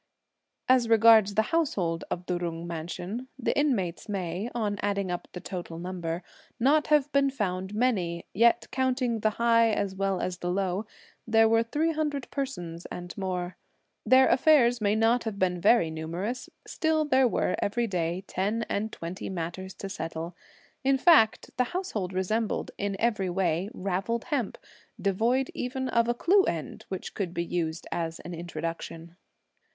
As regards the household of the Jung mansion, the inmates may, on adding up the total number, not have been found many; yet, counting the high as well as the low, there were three hundred persons and more. Their affairs may not have been very numerous, still there were, every day, ten and twenty matters to settle; in fact, the household resembled, in every way, ravelled hemp, devoid even of a clue end, which could be used as an introduction.